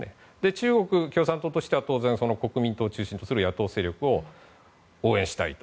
中国共産党としては国民党を中心とする野党勢力を応援したいと。